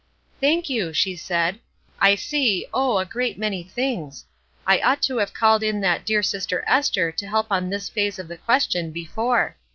"Thank you," she said. "I see, oh! a great many things. I ought to have called in that dear sister Ester to help on this phase of the question before.